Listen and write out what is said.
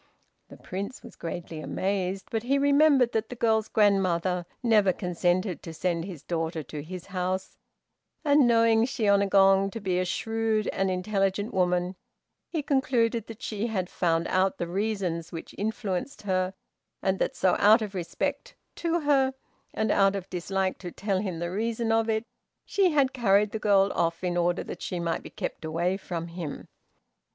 The Prince was greatly amazed, but he remembered that the girl's grandmother never consented to send his daughter to his house, and knowing Shiônagon to be a shrewd and intelligent woman, he concluded that she had found out the reasons which influenced her, and that so out of respect to her, and out of dislike to tell him the reason of it, she had carried the girl off in order that she might be kept away from him.